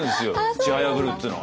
「ちはやぶる」っつうのは。